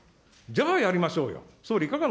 じゃあやりましょうよ。